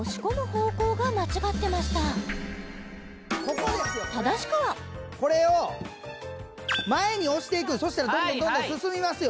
これこれを前に押していくそしたらどんどんどんどん進みますよ